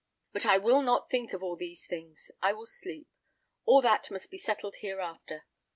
But I will not think of all these things: I will sleep. All that must be settled hereafter.